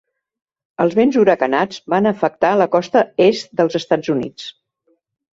Els vents huracanats van afectar la costa est dels Estats Units.